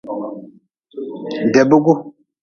Debgu.